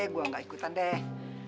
gue gak ikutin deh